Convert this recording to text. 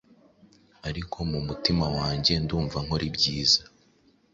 ariko mu mutima wanjye ndumva nkora ibyiza